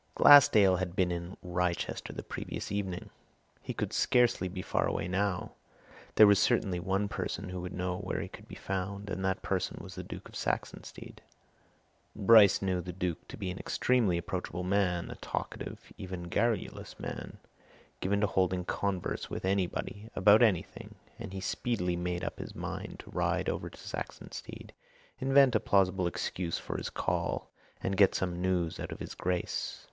Glassdale had been in Wrychester the previous evening; he could scarcely be far away now; there was certainly one person who would know where he could be found, and that person was the Duke of Saxonsteade. Bryce knew the Duke to be an extremely approachable man, a talkative, even a garrulous man, given to holding converse with anybody about anything, and he speedily made up his mind to ride over to Saxonsteade, invent a plausible excuse for his call, and get some news out of his Grace.